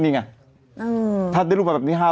นี่ไงถ้าได้รูปมาแบบนี้